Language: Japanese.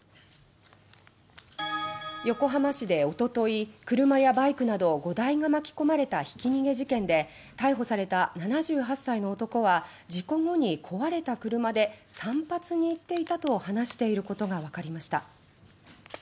横浜市でおととい車やバイクなど５台が巻き込まれたひき逃げ事件で逮捕された７８歳の男は事故後に壊れた車で散髪に行っていたと話していることがわかりました。